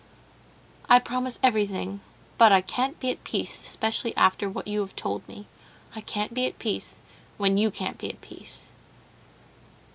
"I promise everything, but I can't be at peace, especially after what you have told me. I can't be at peace, when you can't be at peace...."